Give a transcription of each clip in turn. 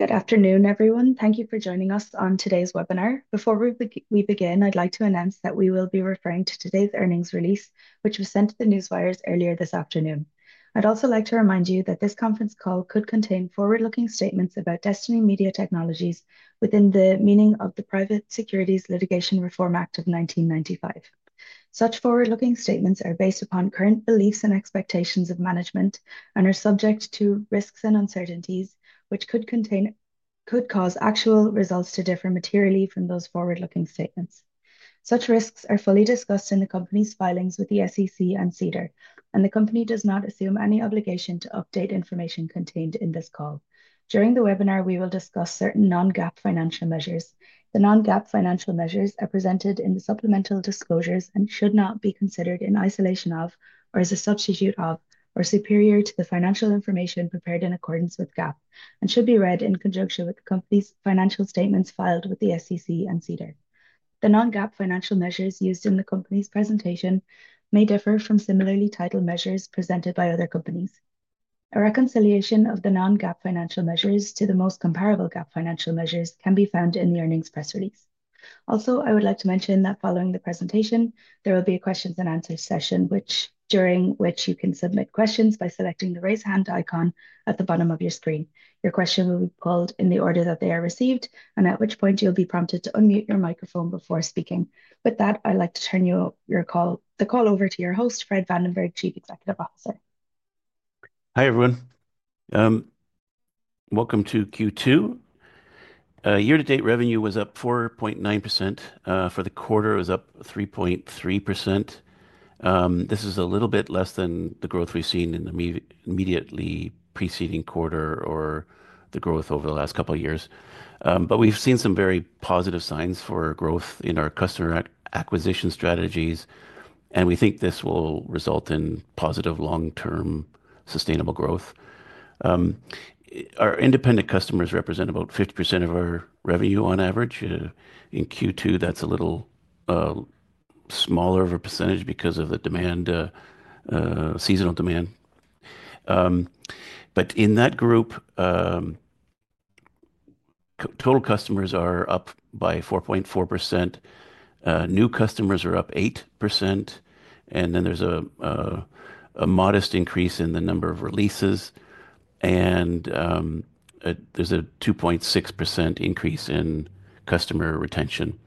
Good afternoon, everyone. Thank you for joining us on today's webinar. Before we begin, I'd like to announce that we will be referring to today's earnings release, which was sent to the newswires earlier this afternoon. I'd also like to remind you that this conference call could contain forward-looking statements about Destiny Media Technologies within the meaning of the Private Securities Litigation Reform Act of 1995. Such forward-looking statements are based upon current beliefs and expectations of management and are subject to risks and uncertainties, which could cause actual results to differ materially from those forward-looking statements. Such risks are fully discussed in the company's filings with the SEC and CEDAR, and the company does not assume any obligation to update information contained in this call. During the webinar, we will discuss certain non-GAAP financial measures. The non-GAAP financial measures are presented in the supplemental disclosures and should not be considered in isolation of, or as a substitute of, or superior to the financial information prepared in accordance with GAAP, and should be read in conjunction with the company's financial statements filed with the SEC and CEDAR. The non-GAAP financial measures used in the company's presentation may differ from similarly titled measures presented by other companies. A reconciliation of the non-GAAP financial measures to the most comparable GAAP financial measures can be found in the earnings press release. Also, I would like to mention that following the presentation, there will be a questions and answers session, during which you can submit questions by selecting the raise hand icon at the bottom of your screen. Your question will be called in the order that they are received, and at which point you'll be prompted to unmute your microphone before speaking. With that, I'd like to turn your call over to your host, Fred Vandenberg, Chief Executive Officer. Hi, everyone. Welcome to Q2. Year-to-date revenue was up 4.9%. For the quarter, it was up 3.3%. This is a little bit less than the growth we've seen in the immediately preceding quarter or the growth over the last couple of years. We have seen some very positive signs for growth in our customer acquisition strategies, and we think this will result in positive long-term sustainable growth. Our independent customers represent about 50% of our revenue on average. In Q2, that's a little smaller of a percentage because of the seasonal demand. In that group, total customers are up by 4.4%. New customers are up 8%, and then there's a modest increase in the number of releases, and there's a 2.6% increase in customer retention.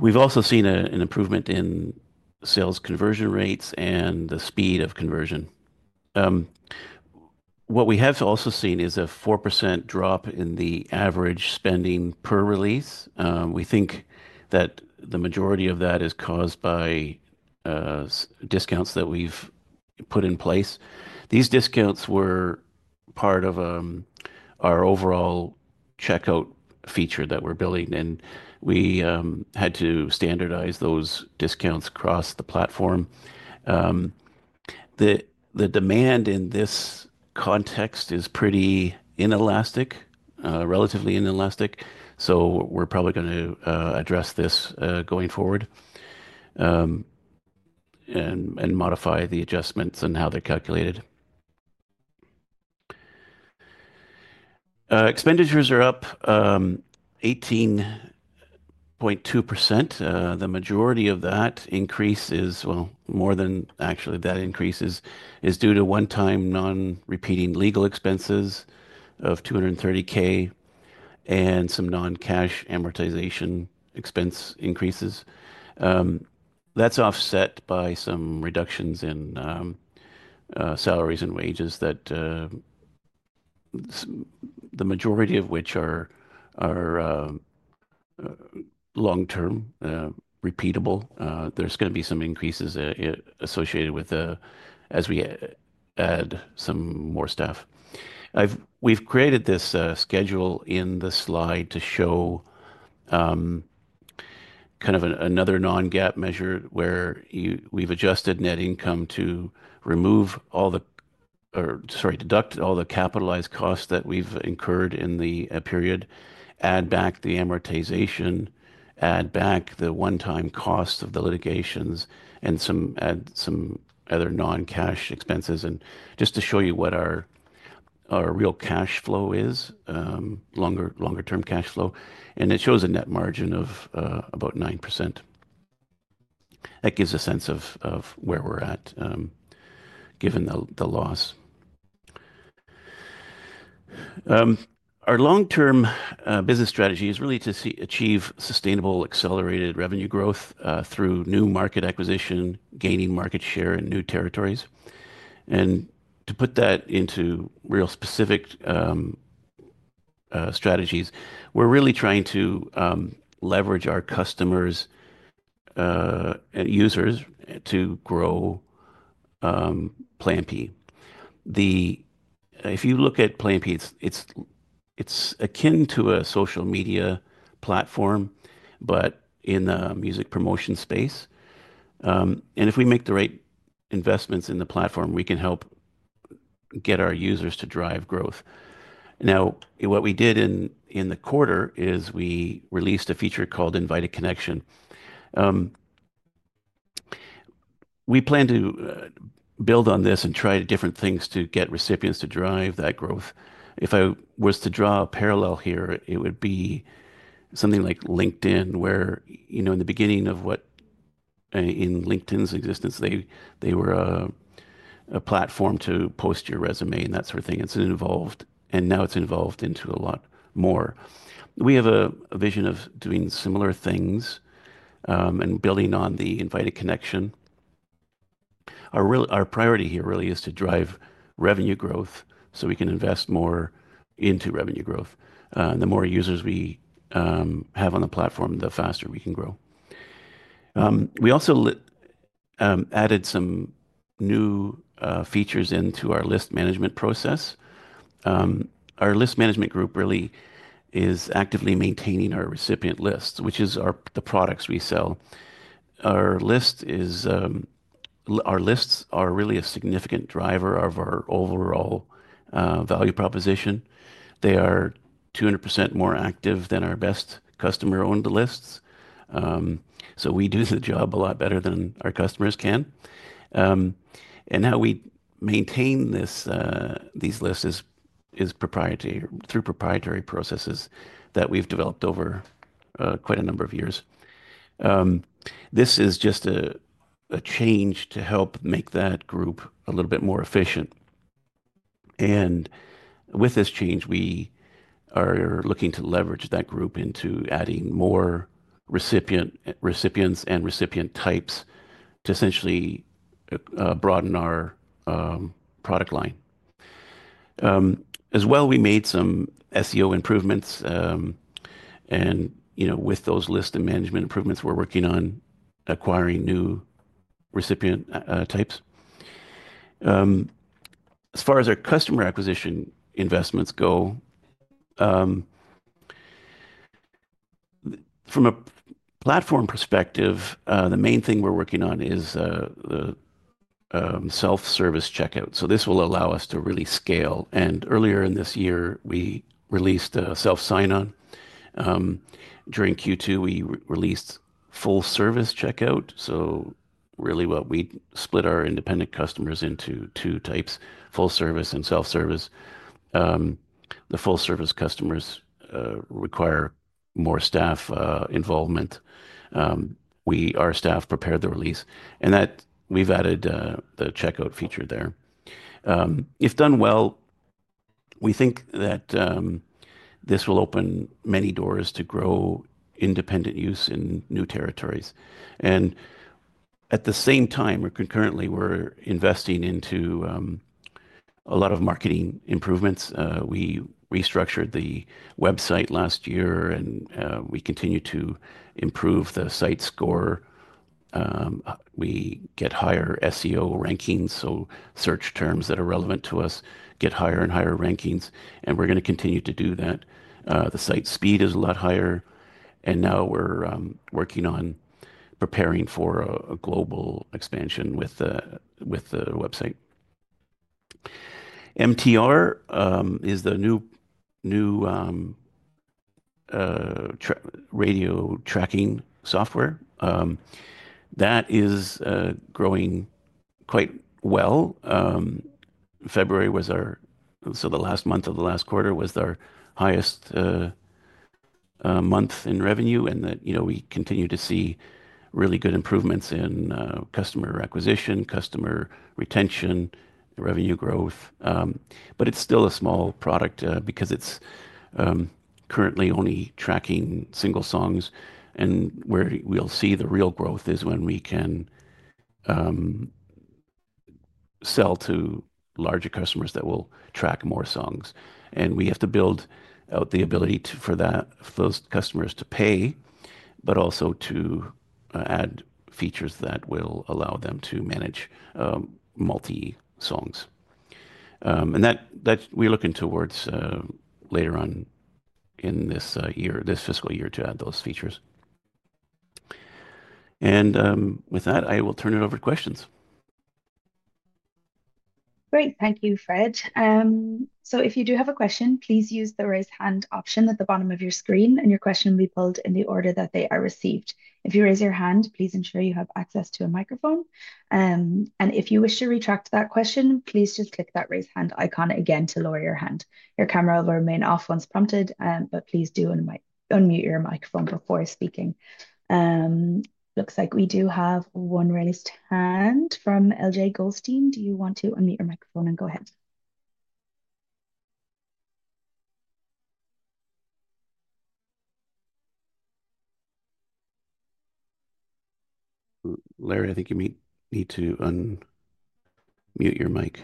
We have also seen an improvement in sales conversion rates and the speed of conversion. What we have also seen is a 4% drop in the average spending per release. We think that the majority of that is caused by discounts that we've put in place. These discounts were part of our overall checkout feature that we're building, and we had to standardize those discounts across the platform. The demand in this context is pretty inelastic, relatively inelastic, so we're probably going to address this going forward and modify the adjustments and how they're calculated. Expenditures are up 18.2%. The majority of that increase is, well, more than actually that increase is due to one-time non-repeating legal expenses of $230,000 and some non-cash amortization expense increases. That's offset by some reductions in salaries and wages, the majority of which are long-term, repeatable. There's going to be some increases associated with as we add some more staff. We've created this schedule in the slide to show kind of another non-GAAP measure where we've adjusted net income to remove all the, or sorry, deduct all the capitalized costs that we've incurred in the period, add back the amortization, add back the one-time cost of the litigations, and some other non-cash expenses, and just to show you what our real cash flow is, longer-term cash flow, and it shows a net margin of about 9%. That gives a sense of where we're at given the loss. Our long-term business strategy is really to achieve sustainable accelerated revenue growth through new market acquisition, gaining market share in new territories. To put that into real specific strategies, we're really trying to leverage our customers and users to grow Plan B. If you look at Plan B, it's akin to a social media platform, but in the music promotion space. If we make the right investments in the platform, we can help get our users to drive growth. What we did in the quarter is we released a feature called Invited Connection. We plan to build on this and try different things to get recipients to drive that growth. If I was to draw a parallel here, it would be something like LinkedIn, where in the beginning of LinkedIn's existence, they were a platform to post your resume and that sort of thing. Now it's evolved into a lot more. We have a vision of doing similar things and building on the Invited Connection. Our priority here really is to drive revenue growth so we can invest more into revenue growth. The more users we have on the platform, the faster we can grow. We also added some new features into our list management process. Our list management group really is actively maintaining our recipient lists, which is the products we sell. Our lists are really a significant driver of our overall value proposition. They are 200% more active than our best customer-owned lists. We do the job a lot better than our customers can. How we maintain these lists is through proprietary processes that we have developed over quite a number of years. This is just a change to help make that group a little bit more efficient. With this change, we are looking to leverage that group into adding more recipients and recipient types to essentially broaden our product line. As well, we made some SEO improvements. With those list and management improvements, we are working on acquiring new recipient types. As far as our customer acquisition investments go, from a platform perspective, the main thing we're working on is self-service checkout. This will allow us to really scale. Earlier in this year, we released a self-sign-on. During Q2, we released full-service checkout. We split our independent customers into two types: full-service and self-service. The full-service customers require more staff involvement. Our staff prepared the release. We've added the checkout feature there. If done well, we think that this will open many doors to grow independent use in new territories. At the same time, concurrently, we're investing into a lot of marketing improvements. We restructured the website last year, and we continue to improve the site score. We get higher SEO rankings, so search terms that are relevant to us get higher and higher rankings. We're going to continue to do that. The site speed is a lot higher. Now we're working on preparing for a global expansion with the website. MTR is the new radio tracking software. That is growing quite well. February was our, so the last month of the last quarter was our highest month in revenue. We continue to see really good improvements in customer acquisition, customer retention, revenue growth. It is still a small product because it's currently only tracking single songs. Where we'll see the real growth is when we can sell to larger customers that will track more songs. We have to build out the ability for those customers to pay, but also to add features that will allow them to manage multi-songs. We're looking towards later on in this year, this fiscal year, to add those features. With that, I will turn it over to questions. Great. Thank you, Fred. If you do have a question, please use the raise hand option at the bottom of your screen, and your question will be pulled in the order that they are received. If you raise your hand, please ensure you have access to a microphone. If you wish to retract that question, please just click that raise hand icon again to lower your hand. Your camera will remain off once prompted, but please do unmute your microphone before speaking. Looks like we do have one raised hand from Larry Goldstein. Do you want to unmute your microphone and go ahead? Larry, I think you need to unmute your mic.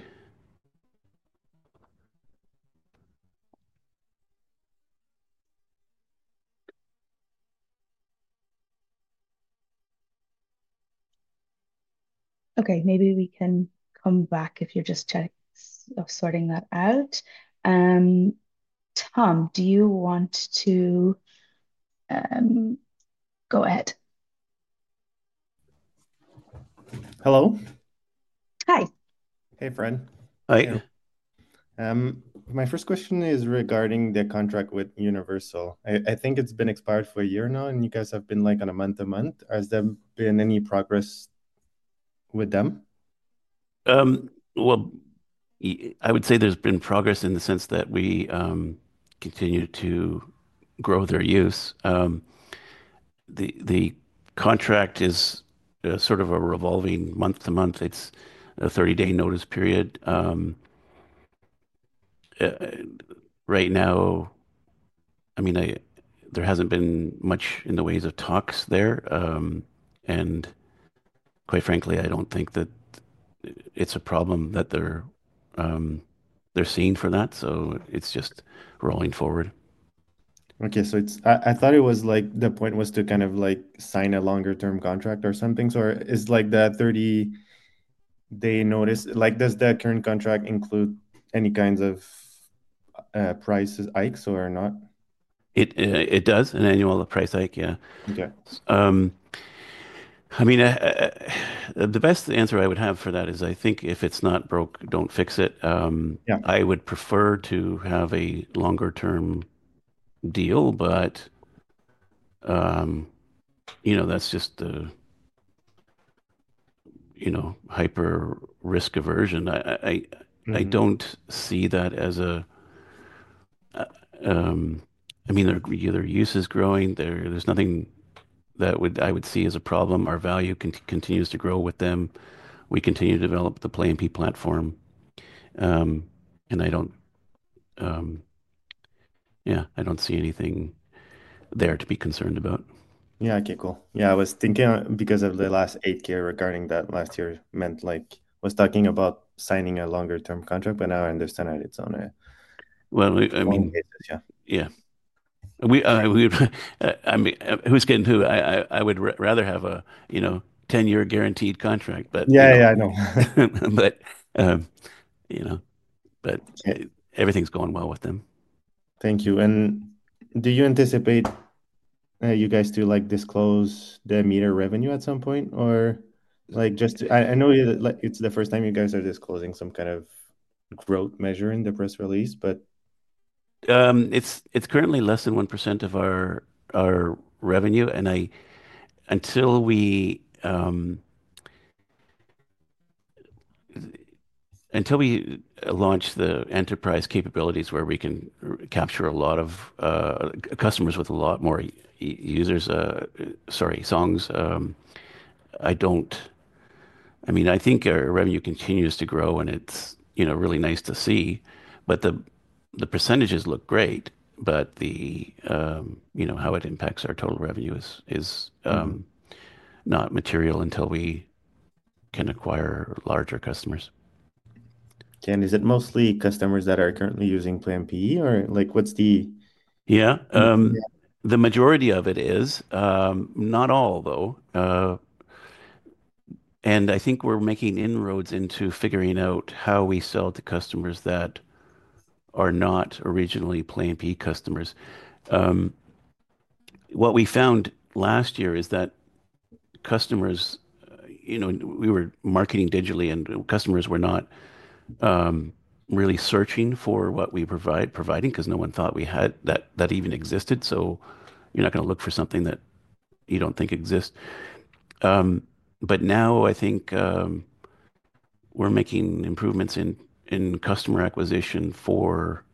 Okay. Maybe we can come back if you're just sorting that out. Tom, do you want to go ahead? Hello? Hi. Hey, Fred. Hi. My first question is regarding the contract with Universal. I think it's been expired for a year now, and you guys have been like on a month-to-month. Has there been any progress with them? I would say there's been progress in the sense that we continue to grow their use. The contract is sort of a revolving month-to-month. It's a 30-day notice period. Right now, I mean, there hasn't been much in the ways of talks there. Quite frankly, I don't think that it's a problem that they're seeing for that. It's just rolling forward. Okay. I thought it was like the point was to kind of sign a longer-term contract or something. Is that 30-day notice, does that current contract include any kinds of price hikes or not? It does, an annual price hike, yeah. I mean, the best answer I would have for that is I think if it's not broke, don't fix it. I would prefer to have a longer-term deal, but that's just the hyper-risk aversion. I don't see that as a, I mean, their usage is growing. There's nothing that I would see as a problem. Our value continues to grow with them. We continue to develop the Plan B platform. Yeah, I don't see anything there to be concerned about. Yeah, okay, cool. Yeah, I was thinking because of the last eight years regarding that last year meant like was talking about signing a longer-term contract, but now I understand that it's on a longer basis. I mean, yeah. Yeah. I mean, who's getting to it? I would rather have a 10-year guaranteed contract, but. Yeah, yeah, I know. Everything's going well with them. Thank you. Do you anticipate you guys to disclose the MTR revenue at some point, or just I know it's the first time you guys are disclosing some kind of growth measure in the press release, but. It's currently less than 1% of our revenue. Until we launch the enterprise capabilities where we can capture a lot of customers with a lot more users, sorry, songs, I don't, I mean, I think our revenue continues to grow, and it's really nice to see. The percentages look great, but how it impacts our total revenue is not material until we can acquire larger customers. Is it mostly customers that are currently using Plan B, or what's the? Yeah, the majority of it is. Not all, though. I think we're making inroads into figuring out how we sell to customers that are not originally Plan B customers. What we found last year is that customers, we were marketing digitally, and customers were not really searching for what we provided because no one thought that even existed. You're not going to look for something that you don't think exists. Now I think we're making improvements in customer acquisition for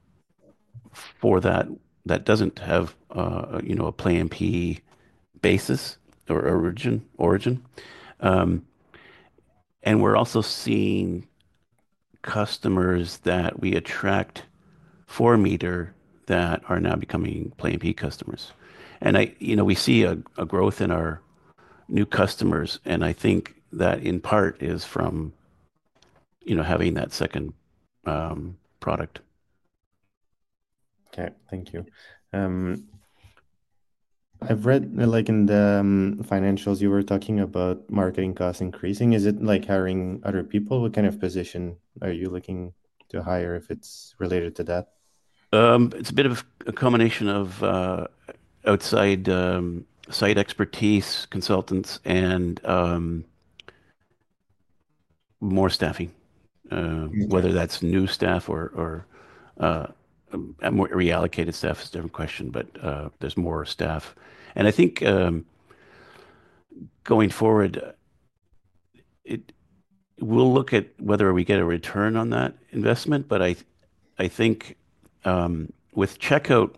that doesn't have a Plan B basis or origin. We're also seeing customers that we attract for MTR that are now becoming Plan B customers. We see a growth in our new customers. I think that in part is from having that second product. Okay, thank you. I've read in the financials you were talking about marketing costs increasing. Is it like hiring other people? What kind of position are you looking to hire if it's related to that? It's a bit of a combination of outside site expertise, consultants, and more staffing. Whether that's new staff or more reallocated staff is a different question, but there's more staff. I think going forward, we'll look at whether we get a return on that investment. I think with checkout,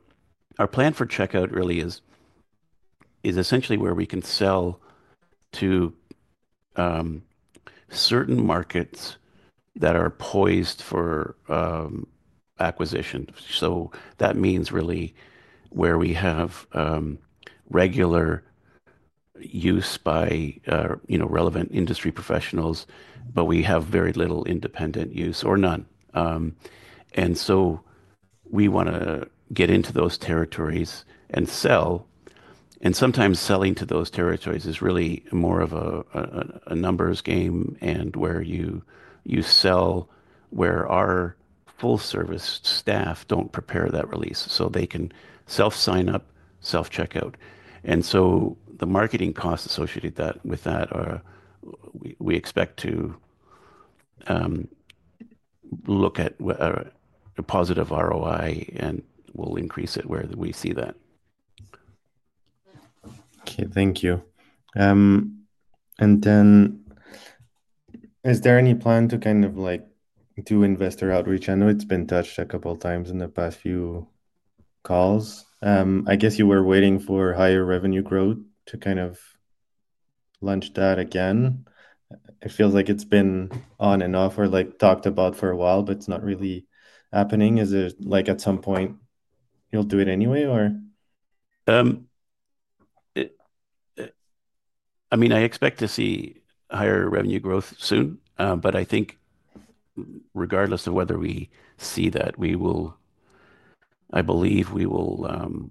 our plan for checkout really is essentially where we can sell to certain markets that are poised for acquisition. That means really where we have regular use by relevant industry professionals, but we have very little independent use or none. We want to get into those territories and sell. Sometimes selling to those territories is really more of a numbers game and where you sell where our full-service staff do not prepare that release so they can self-sign up, self-checkout. The marketing costs associated with that, we expect to look at a positive ROI and we'll increase it where we see that. Okay, thank you. Is there any plan to kind of do investor outreach? I know it's been touched a couple of times in the past few calls. I guess you were waiting for higher revenue growth to kind of launch that again. It feels like it's been on and off or talked about for a while, but it's not really happening. Is it like at some point you'll do it anyway, or? I mean, I expect to see higher revenue growth soon. I think regardless of whether we see that, I believe we will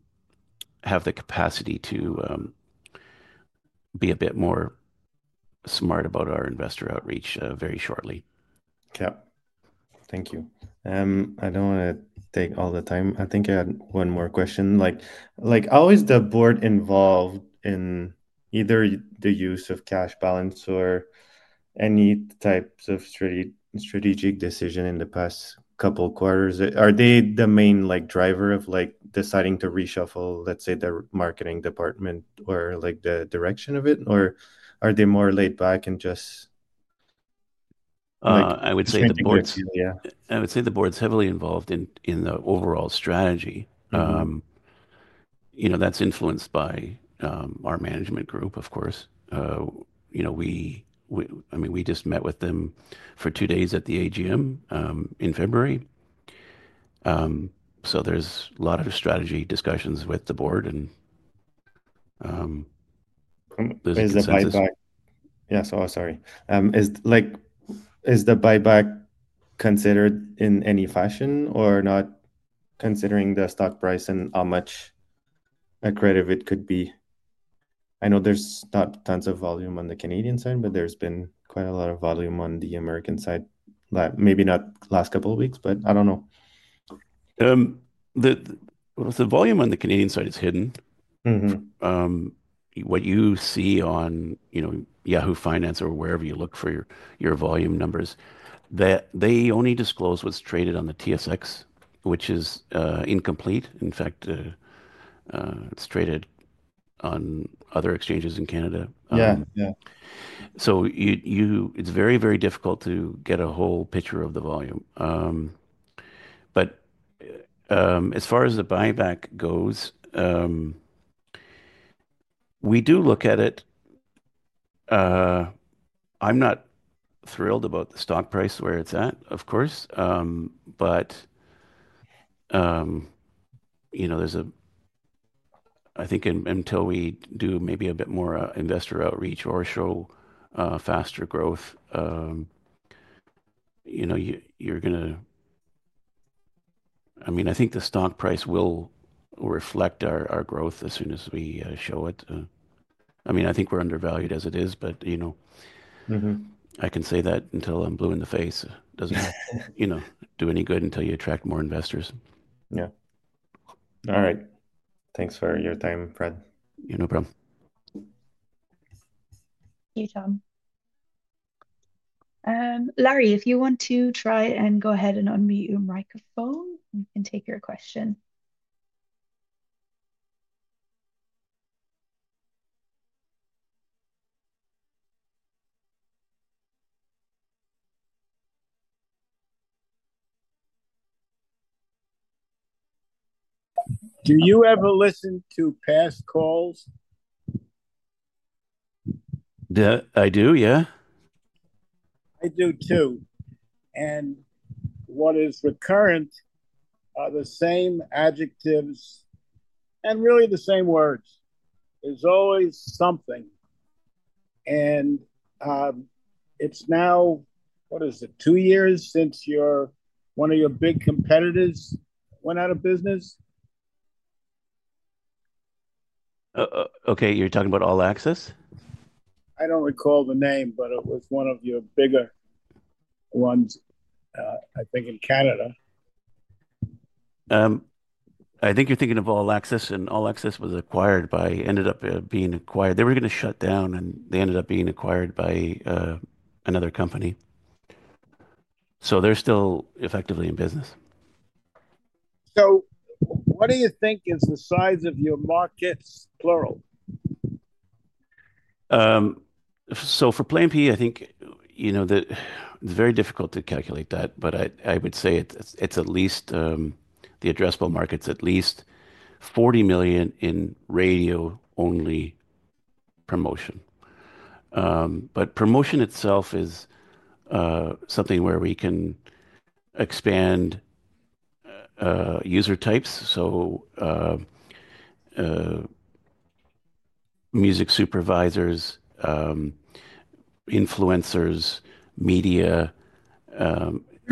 have the capacity to be a bit more smart about our investor outreach very shortly. Okay. Thank you. I don't want to take all the time. I think I had one more question. How is the board involved in either the use of cash balance or any types of strategic decision in the past couple of quarters? Are they the main driver of deciding to reshuffle, let's say, the marketing department or the direction of it, or are they more laid back and just taking it? I would say the board's heavily involved in the overall strategy. That's influenced by our management group, of course. I mean, we just met with them for two days at the AGM in February. There's a lot of strategy discussions with the board. Is the buyback? Yeah, sorry. Is the buyback considered in any fashion or not considering the stock price and how much accredited it could be? I know there's not tons of volume on the Canadian side, but there's been quite a lot of volume on the American side. Maybe not the last couple of weeks, but I don't know. The volume on the Canadian side is hidden. What you see on Yahoo Finance or wherever you look for your volume numbers, they only disclose what's traded on the TSX, which is incomplete. In fact, it's traded on other exchanges in Canada. It is very, very difficult to get a whole picture of the volume. As far as the buyback goes, we do look at it. I'm not thrilled about the stock price where it's at, of course. I think until we do maybe a bit more investor outreach or show faster growth, you're going to, I mean, I think the stock price will reflect our growth as soon as we show it. I mean, I think we're undervalued as it is, but I can say that until I'm blue in the face, it doesn't do any good until you attract more investors. Yeah. All right. Thanks for your time, Fred. Yeah, no problem. Thank you, Tom. Larry, if you want to try and go ahead and unmute your microphone, you can take your question. Do you ever listen to past calls? I do, yeah. I do too. What is recurrent are the same adjectives and really the same words. There is always something. It is now, what is it, two years since one of your big competitors went out of business? Okay, you're talking about All Access? I don't recall the name, but it was one of your bigger ones, I think, in Canada. I think you're thinking of All Access, and All Access was acquired by, ended up being acquired. They were going to shut down, and they ended up being acquired by another company. They are still effectively in business. What do you think is the size of your markets, plural? For Plan B, I think it's very difficult to calculate that, but I would say it's at least the addressable markets, at least $40 million in radio-only promotion. Promotion itself is something where we can expand user types. Music supervisors, influencers, media, all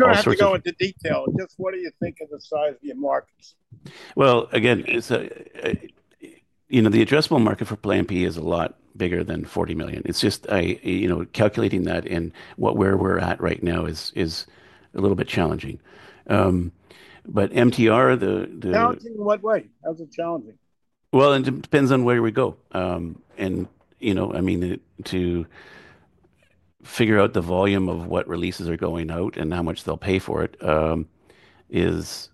sorts of. I don't go into detail. Just what do you think of the size of your markets? Again, the addressable market for Plan B is a lot bigger than 40 million. It's just calculating that and where we're at right now is a little bit challenging. But MTR, the. Challenging in what way? How's it challenging? It depends on where we go. I mean, to figure out the volume of what releases are going out and how much they'll pay for it is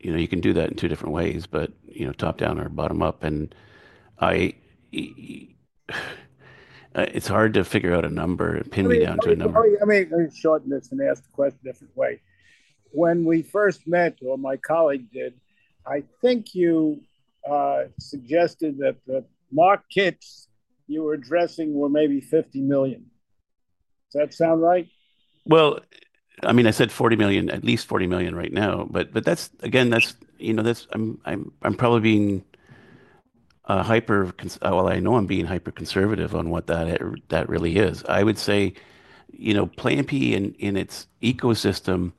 you can do that in two different ways, top-down or bottom-up. It's hard to figure out a number, pin me down to a number. I mean, I'll shorten this and ask the question a different way. When we first met, or my colleague did, I think you suggested that the markets you were addressing were maybe $50 million. Does that sound right? I mean, I said 40 million, at least 40 million right now. Again, I'm probably being hyper, well, I know I'm being hyper-conservative on what that really is. I would say Plan B in its ecosystem,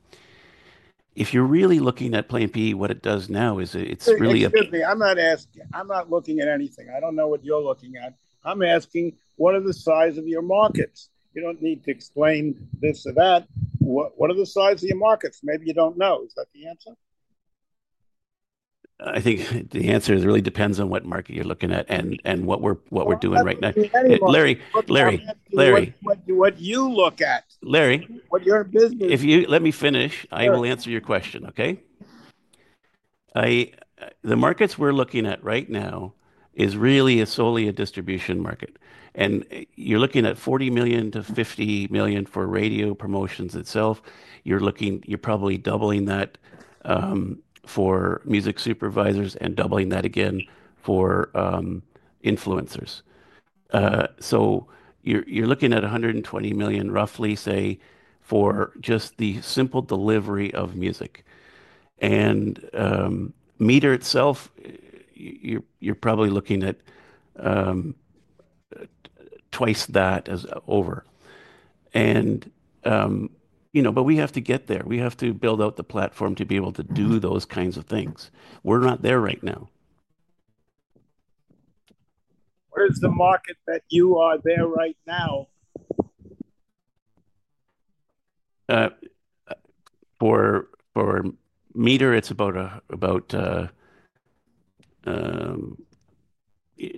if you're really looking at Plan B, what it does now is it's really a. Excuse me, I'm not asking. I'm not looking at anything. I don't know what you're looking at. I'm asking what are the size of your markets? You don't need to explain this or that. What are the size of your markets? Maybe you don't know. Is that the answer? I think the answer really depends on what market you're looking at and what we're doing right now. Larry, Larry, Larry. What do you look at? Larry. What your business? Let me finish. I will answer your question, okay? The markets we're looking at right now is really solely a distribution market. You're looking at $40 million-$50 million for radio promotions itself. You're probably doubling that for music supervisors and doubling that again for influencers. You're looking at $120 million, roughly, say, for just the simple delivery of music. And MTR itself, you're probably looking at twice that as over. We have to get there. We have to build out the platform to be able to do those kinds of things. We're not there right now. Where is the market that you are there right now? For MTR, it's about,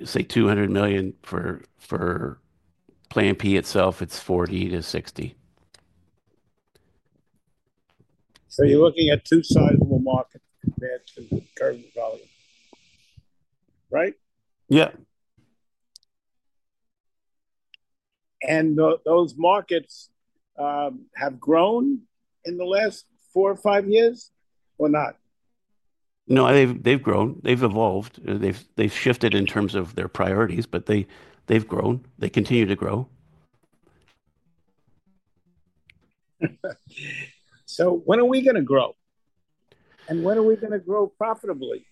say, 200 million. For Plan B itself, it's 40-60. You're looking at two sides of a market compared to the current volume, right? Yeah. Have those markets grown in the last four or five years or not? No, they've grown. They've evolved. They've shifted in terms of their priorities, but they've grown. They continue to grow. When are we going to grow? And when are we going to grow profitably?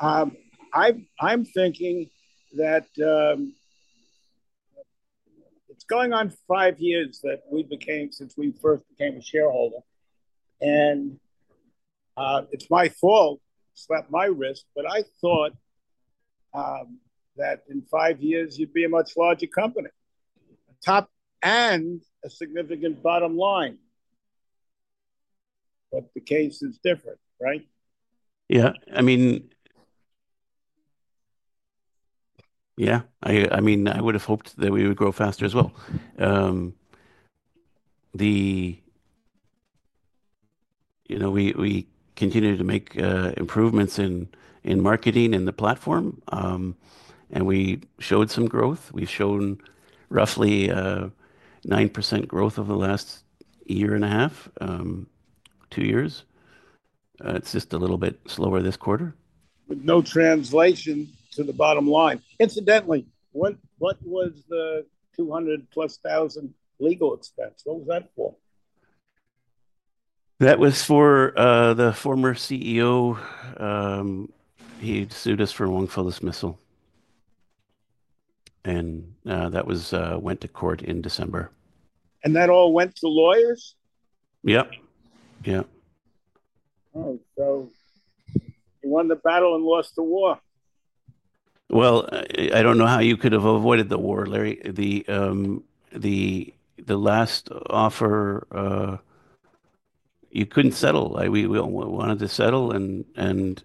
I'm thinking that it's going on five years that we became, since we first became a shareholder. And it's my fault, slap my wrist, but I thought that in five years, you'd be a much larger company. Top and a significant bottom line. But the case is different, right? Yeah. I mean, I would have hoped that we would grow faster as well. We continue to make improvements in marketing and the platform. And we showed some growth. We've shown roughly 9% growth over the last year and a half, two years. It's just a little bit slower this quarter. With no translation to the bottom line. Incidentally, what was the $200,000+ legal expense? What was that for? That was for the former CEO. He sued us for wrongful dismissal. That went to court in December. That all went to lawyers? Yeah. Yeah. Oh, so you won the battle and lost the war. I don't know how you could have avoided the war, Larry. The last offer, you couldn't settle. We wanted to settle, and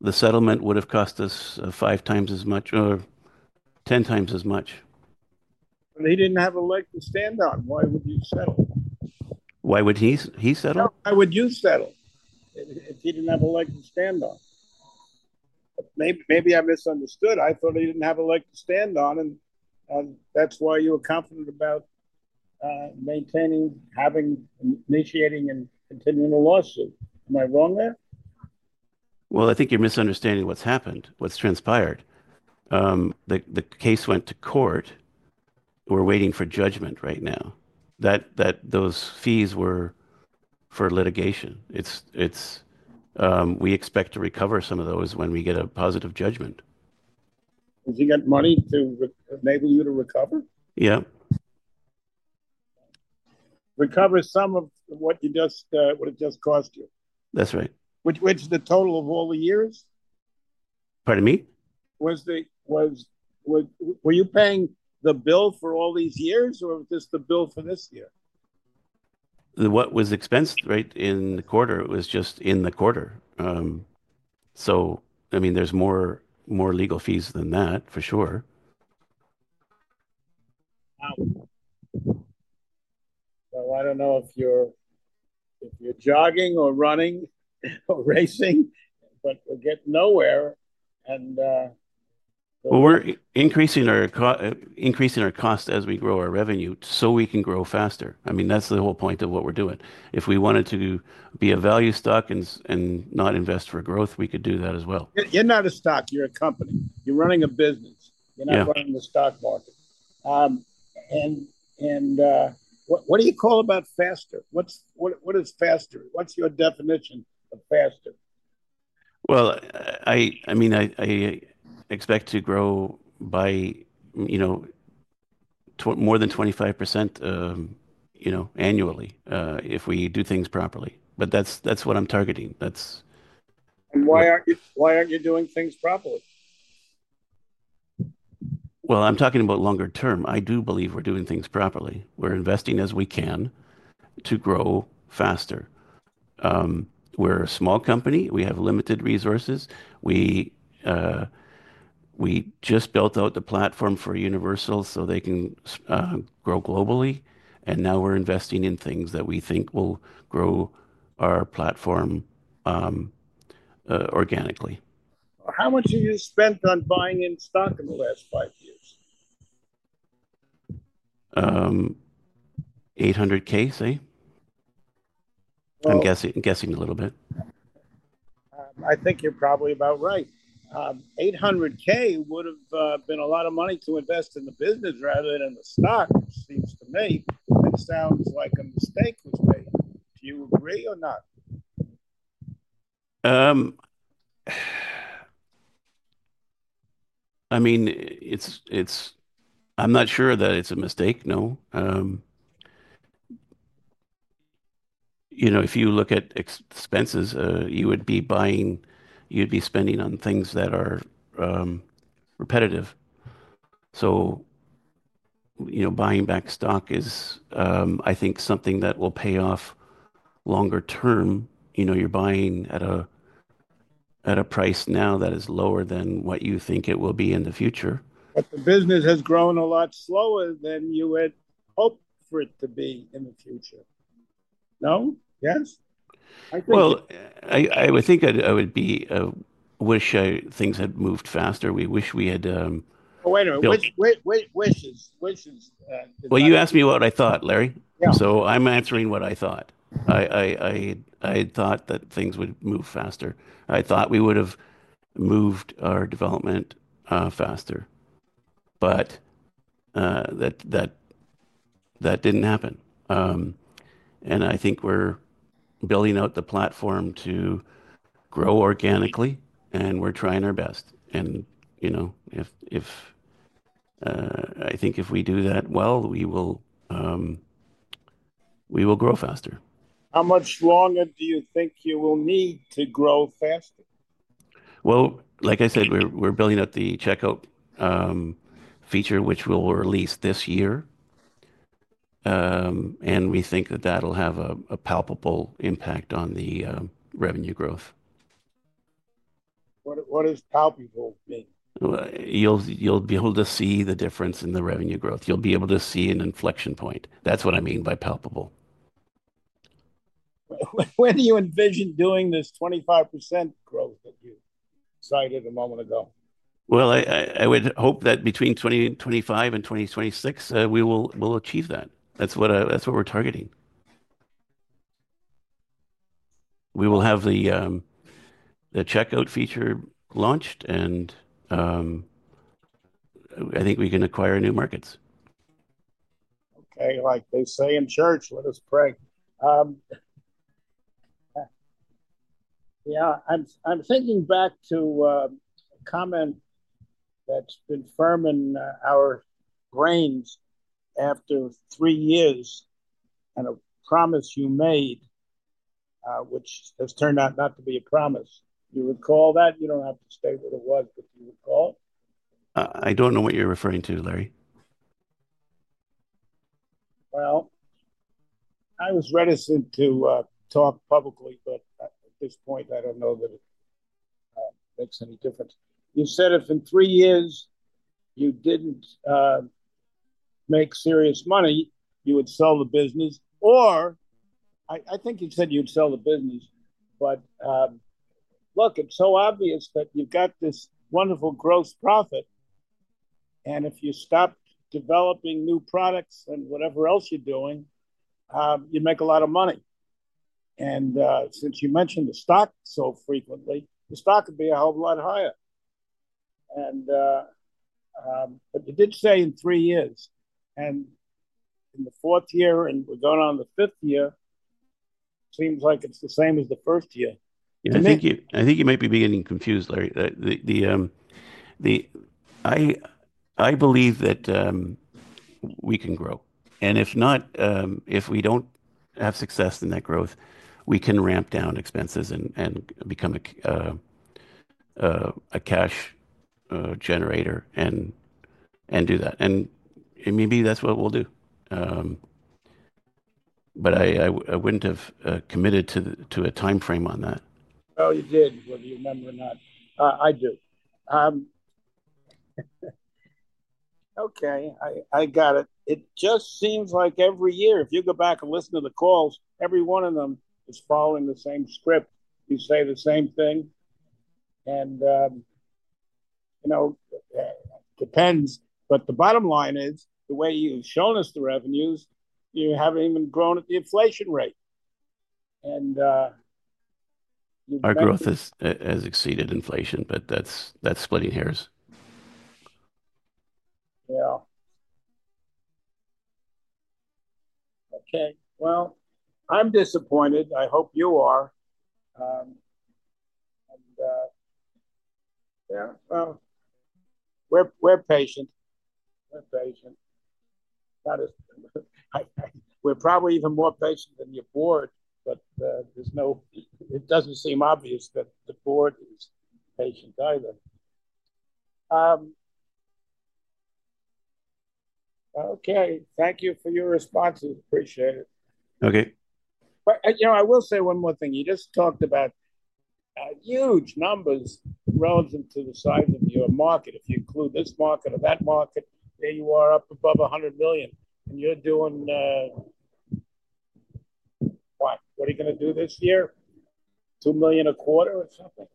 the settlement would have cost us five times as much or ten times as much. He didn't have a leg to stand on. Why would you settle? Why would he settle? Why would you settle if he didn't have a leg to stand on? Maybe I misunderstood. I thought he didn't have a leg to stand on, and that's why you were confident about maintaining, initiating, and continuing the lawsuit. Am I wrong there? I think you're misunderstanding what's happened, what's transpired. The case went to court. We're waiting for judgment right now. Those fees were for litigation. We expect to recover some of those when we get a positive judgment. Does he get money to enable you to recover? Yeah. Recover some of what it just cost you? That's right. Which was the total of all the years? Pardon me? Were you paying the bill for all these years, or was this the bill for this year? What was expensed right in the quarter was just in the quarter. I mean, there's more legal fees than that, for sure. I don't know if you're jogging or running or racing, but we'll get nowhere. We're increasing our cost as we grow our revenue so we can grow faster. I mean, that's the whole point of what we're doing. If we wanted to be a value stock and not invest for growth, we could do that as well. You're not a stock. You're a company. You're running a business. You're not running the stock market. What do you call about faster? What is faster? What's your definition of faster? I mean, I expect to grow by more than 25% annually if we do things properly. But that's what I'm targeting. Why aren't you doing things properly? I'm talking about longer-term. I do believe we're doing things properly. We're investing as we can to grow faster. We're a small company. We have limited resources. We just built out the platform for Universal so they can grow globally. And now we're investing in things that we think will grow our platform organically. How much have you spent on buying in stock in the last five years? $800,000, say. I'm guessing a little bit. I think you're probably about right. $800,000 would have been a lot of money to invest in the business rather than in the stock, it seems to me. It sounds like a mistake was made. Do you agree or not? I mean, I'm not sure that it's a mistake, no. If you look at expenses, you would be spending on things that are repetitive. So buying back stock is, I think, something that will pay off longer-term. You're buying at a price now that is lower than what you think it will be in the future. The business has grown a lot slower than you had hoped for it to be in the future. No? Yes? I would think I would wish things had moved faster. We wish we had. Oh, wait a minute. Wishes. Wishes. You asked me what I thought, Larry. So I'm answering what I thought. I thought that things would move faster. I thought we would have moved our development faster, but that didn't happen. I think we're building out the platform to grow organically, and we're trying our best. I think if we do that well, we will grow faster. How much longer do you think you will need to grow faster? Like I said, we're building out the checkout feature, which we'll release this year. We think that that'll have a palpable impact on the revenue growth. What does palpable mean? You'll be able to see the difference in the revenue growth. You'll be able to see an inflection point. That's what I mean by palpable. When do you envision doing this 25% growth that you cited a moment ago? I would hope that between 2025 and 2026, we'll achieve that. That's what we're targeting. We will have the checkout feature launched, and I think we can acquire new markets. Okay. Like they say in church, let us pray. Yeah. I'm thinking back to a comment that's been firm in our brains after three years and a promise you made, which has turned out not to be a promise. Do you recall that? You don't have to state what it was, but do you recall? I don't know what you're referring to, Larry. I was reticent to talk publicly, but at this point, I don't know that it makes any difference. You said if in three years you didn't make serious money, you would sell the business, or I think you said you'd sell the business. Look, it's so obvious that you've got this wonderful gross profit. If you stopped developing new products and whatever else you're doing, you'd make a lot of money. Since you mentioned the stock so frequently, the stock would be a whole lot higher. You did say in three years. In the fourth year, and we're going on the fifth year, seems like it's the same as the first year. I think you might be getting confused, Larry. I believe that we can grow. If not, if we do not have success in that growth, we can ramp down expenses and become a cash generator and do that. Maybe that is what we will do. I would not have committed to a timeframe on that. Oh, you did, whether you remember or not. I do. Okay. I got it. It just seems like every year, if you go back and listen to the calls, every one of them is following the same script. You say the same thing. It depends. The bottom line is, the way you've shown us the revenues, you haven't even grown at the inflation rate. Our growth has exceeded inflation, but that's splitting hairs. Okay. I'm disappointed. I hope you are. Yeah. We're patient. We're patient. We're probably even more patient than your board, but it doesn't seem obvious that the board is patient either. Okay. Thank you for your responses. Appreciate it. Okay. I will say one more thing. You just talked about huge numbers relative to the size of your market. If you include this market or that market, there you are up above 100 million. And you're doing what? What are you going to do this year? $2 million a quarter or something?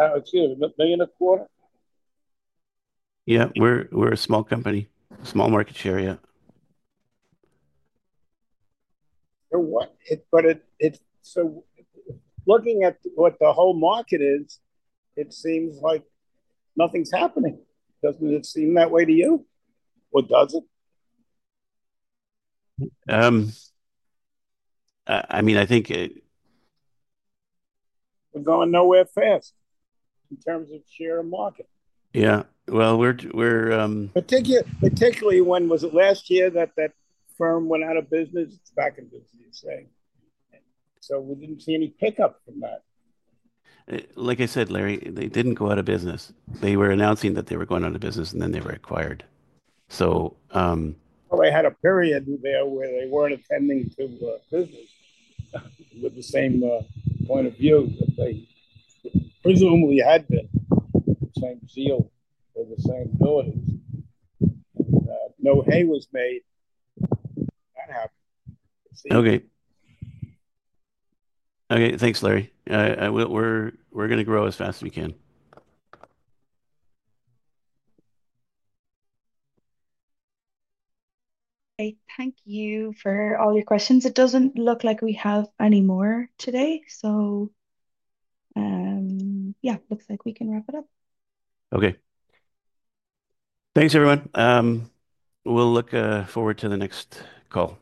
Excuse me. $1 million a quarter? Yeah. We're a small company. Small market share, yeah. Looking at what the whole market is, it seems like nothing's happening. Doesn't it seem that way to you? Or does it? I mean, I think. We're going nowhere fast in terms of share of market. Yeah. We're. Particularly when, was it last year that that firm went out of business? Back in business, you're saying. We didn't see any pickup from that. Like I said, Larry, they didn't go out of business. They were announcing that they were going out of business, and then they were acquired. They had a period there where they were not attending to business with the same point of view that they presumably had been. The same zeal or the same abilities. No hay was made. That happened. Okay. Okay. Thanks, Larry. We're going to grow as fast as we can. Okay. Thank you for all your questions. It doesn't look like we have any more today. Yeah, looks like we can wrap it up. Okay. Thanks, everyone. We'll look forward to the next call. Thanks.